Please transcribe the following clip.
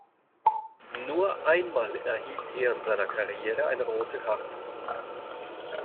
Nur einmal erhielt er in seiner Karriere eine rote Karte.